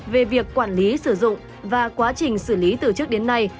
về việc quản lý sử dụng và quá trình xử lý từ trước đến nay